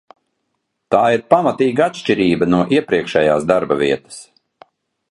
Tā ir pamatīga atšķirība no iepriekšējās darba vietas.